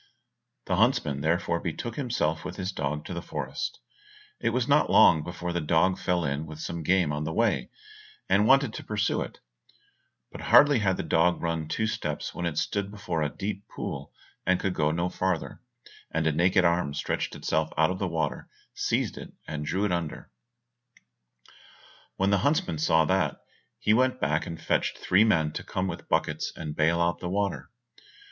The huntsman therefore betook himself with his dog to the forest. It was not long before the dog fell in with some game on the way, and wanted to pursue it; but hardly had the dog run two steps when it stood before a deep pool, could go no farther, and a naked arm stretched itself out of the water, seized it, and drew it under, When the huntsman saw that, he went back and fetched three men to come with buckets and bale out the water.